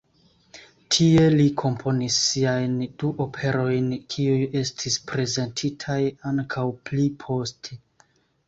Tie li komponis siajn du operojn, kiuj estis prezentitaj ankaŭ pli poste.